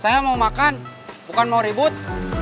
saya mau makan bukan mau ribut